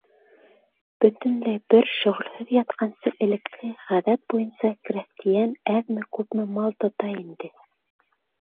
Бөтөнләй бер шөғөлһөҙ ятҡансы, элекке ғәҙәт буйынса крәҫтиән әҙме-күпме мал тота инде.